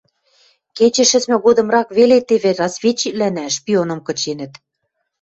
Кечӹ шӹцмӹ годымрак веле теве разведчиквлӓнӓ шпионым кыченӹт.